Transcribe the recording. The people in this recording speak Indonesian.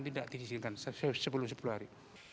itu tidak diizinkan sepuluh hari